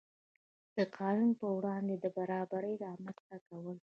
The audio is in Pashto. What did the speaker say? د قانون په وړاندې د برابرۍ رامنځته کول.